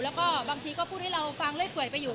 แล้วก็บางทีก็พูดให้เราฟังเรื่อยเปื่อยไปอยู่